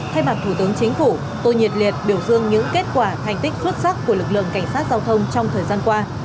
thay mặt thủ tướng chính phủ tôi nhiệt liệt biểu dương những kết quả thành tích xuất sắc của lực lượng cảnh sát giao thông trong thời gian qua